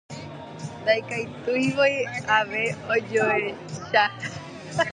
Ndaikatuivoi ave ojoecha.